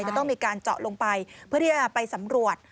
จะต้องมีการเจาะลงไปเพื่อที่จะไปสำรวจ